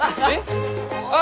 ああ！